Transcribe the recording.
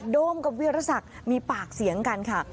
โมกับวิรสักมีปากเสียงกันค่ะ